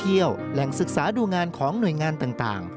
แหล่งศึกษาดูงานของหน่วยงานต่าง